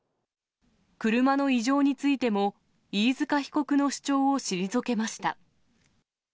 車の異常についても、飯塚被告の主張を退けました。